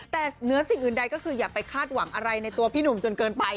แต่เหนือสิ่งอื่นใดก็คืออย่าไปคาดหวังอะไรในตัวพี่หนุ่มจนเกินไป